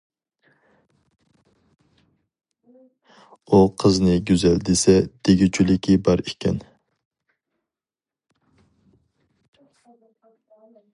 ئۇ قىزنى گۈزەل دېسە دېگۈچىلىكى بار ئىكەن.